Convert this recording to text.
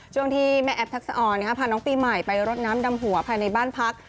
ช่วงที่แม่แอฟทักษะออนพาน้องปีใหม่ไปรดน้ำดำหัวภายในบ้านพัก